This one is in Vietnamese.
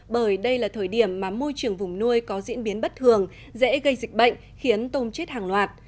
bởi đây là thời điểm mà môi trường vùng nuôi có diễn biến bất thường dễ gây dịch bệnh khiến tôm chết hàng loạt